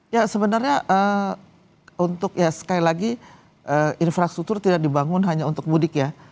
ya sebenarnya untuk ya sekali lagi infrastruktur tidak dibangun hanya untuk mudik ya